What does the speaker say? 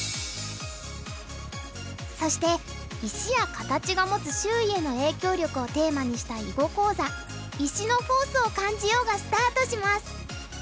そして石や形が持つ周囲への影響力をテーマにした囲碁講座「石のフォースを感じよう！」がスタートします！